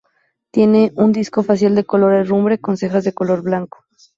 Tiene un disco facial de color herrumbre, con cejas de color blanco.